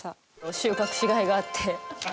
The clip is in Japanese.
収穫しがいがあって。